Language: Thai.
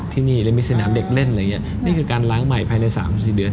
ที่นี่เรียนมีสนามเด็กเล่นนี่คือการล้างใหม่ภายใน๓๔เดือน